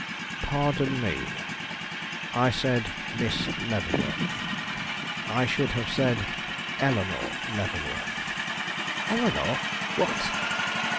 "Pardon me. I said 'Miss Leavenworth'; I should have said 'Eleanore Leavenworth.'" "Eleanore? What!